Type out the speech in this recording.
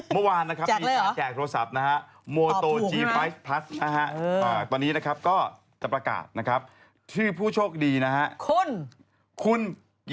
อยู่กรุงเทพนี่เอง